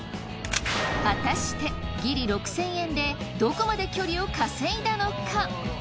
果たしてギリ６，０００円でどこまで距離を稼いだのか？